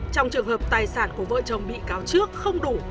trong trường hợp tài sản của vợ chồng bị cáo trước không đủ